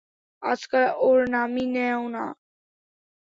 আজকাল ওর নামই নেও না।